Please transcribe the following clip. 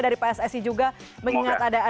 dari pssi juga mengingat ada